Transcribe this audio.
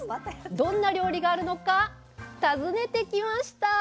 どんな料理があるのか訪ねてきました。